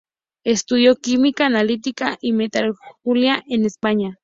Estudió química analítica y metalurgia en España.